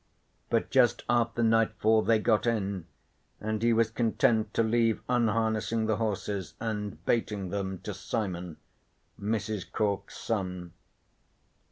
But just after nightfall they got in, and he was content to leave unharnessing the horses and baiting them to Simon, Mrs. Cork's son.